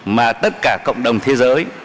mà tất cả cộng đồng thế giới